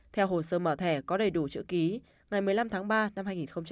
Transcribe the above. theo hồ sơ mở thẻ có đầy đủ chữ ký ngày một mươi năm tháng ba năm hai nghìn hai mươi